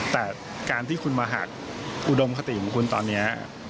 แต่การที่คุณมาหักอุดมคติของคุณตอนนี้